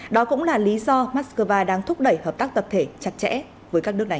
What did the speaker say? đó cũng là lý do moscow đang thúc đẩy hợp tác tập thể chặt chẽ với các nước này